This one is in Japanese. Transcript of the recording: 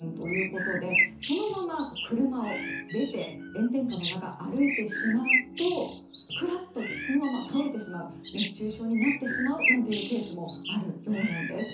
この、かくれ脱水はいわば熱中症予備軍ということでそのまま、車を出て炎天下の中歩いてしまうとくらっとそのまま倒れてしまう熱中症になってしまうなんていうケースもあるようなんです。